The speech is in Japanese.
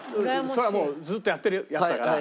それはもうずっとやってるやつだから。